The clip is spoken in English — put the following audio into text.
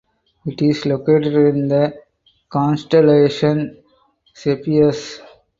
It is located in the constellation Cepheus.